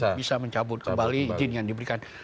bisa mencabut kembali izin yang diberikan